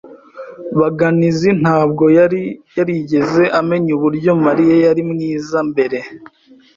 Baganizi ntabwo yari yarigeze amenya uburyo Mariya yari mwiza mbere.